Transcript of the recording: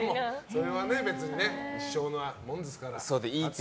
それは一生のものですから。